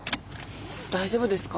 大丈夫ですか？